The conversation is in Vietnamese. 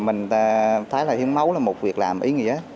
mình thấy là hiến máu là một việc làm ý nghĩa